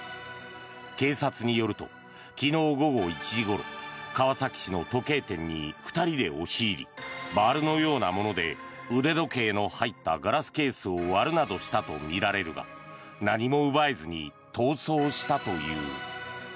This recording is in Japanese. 警察によると、昨日午後１時ごろ川崎市の時計店に２人で押し入りバールのようなもので腕時計の入ったガラスケースを割るなどしたとみられるが何も奪えずに逃走したという。